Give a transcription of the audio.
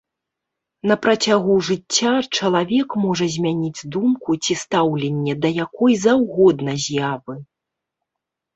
На працягу жыцця чалавек можа змяніць думку ці стаўленне да якой заўгодна з'явы.